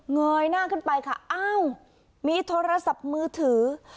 เงยหน้าขึ้นไปค่ะอ้าวมีโทรศัพท์มือถือ